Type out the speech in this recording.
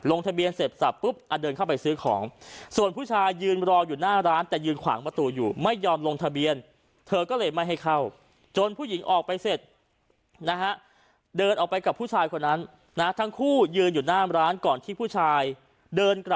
ลงทะเบียนเสร็จสรรพฟึ่บอ่ะเดินเข้าไปซื้อของ